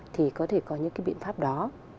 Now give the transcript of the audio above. thì có thể có những cái biện pháp đó